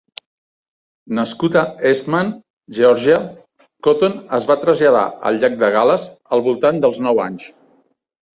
Nascut a Eastman, Geòrgia, Cotton es va traslladar al llac de Gal·les al voltant dels nou anys.